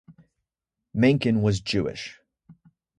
Mankin was Jewish.